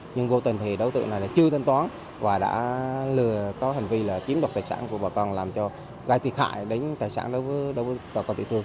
nhưng vô tình thì đối tượng này là chưa thanh toán và đã lừa có hành vi là chiếm được tài sản của bà con làm cho gai thiệt hại đến tài sản đối với bà con tiểu thương